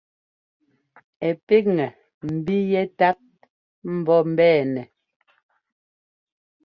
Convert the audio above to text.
Ɛ píkŋɛ mbí yɛ́tát mbɔ́ mbɛɛnɛ.